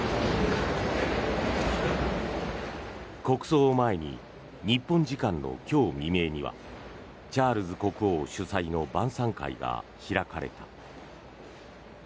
国葬を前に日本時間の今日未明にはチャールズ国王主催の晩さん会が開かれた。